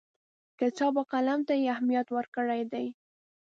کتاب او قلم ته یې اهمیت ورکړی دی.